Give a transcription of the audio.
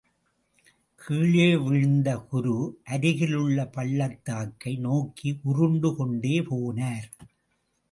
கீழே விழுந்த குரு, அருகில் உள்ளப் பள்ளத்தாக்கை நோக்கி உருண்டு கொண்டே போனார்.